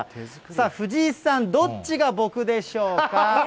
藤井さん、どっちが僕でしょうか。